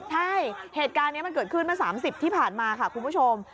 ใช่เหตุการณ์นี้มันเกิดขึ้นเมื่อ๓๐ที่ผ่านมาค่ะคุณผู้ชม